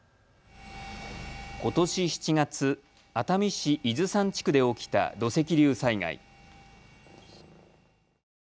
ことし７月、熱海市伊豆山地区で起きた土石流災害。